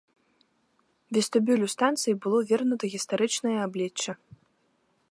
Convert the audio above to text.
Вестыбюлю станцыі было вернута гістарычнае аблічча.